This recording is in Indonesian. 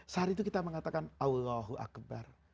sehari itu kita mengatakan allahu akbar